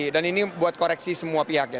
dan ini buat koreksi semua pihak ya